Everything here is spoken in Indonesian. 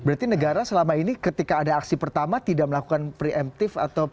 berarti negara selama ini ketika ada aksi pertama tidak melakukan preemptif atau